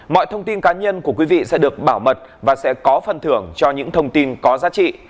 mọi thông tin cá nhân của quý vị sẽ được bảo mật và sẽ có phần thưởng cho những thông tin có giá trị